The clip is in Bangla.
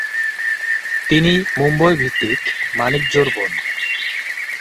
তিনি মুম্বই-ভিত্তিক মানিকজোড় বোন।